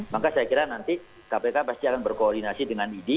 maka saya kira nanti kpk pasti akan berkoordinasi dengan idi